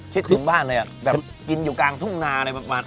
คิดถึงบ้านเลยแบบกินอยู่กลางทุ่งนาอะไรประมาณ